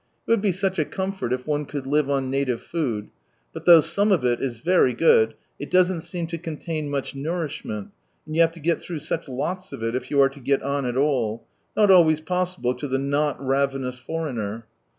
It would be such a comfort if one could Uve nn native food; but though some of it is very good, it doesn't seem to contain much nourishment, and you have to get through sucli lots of it if you are to get on at all— not always possible to the nnt ravenous foreigner.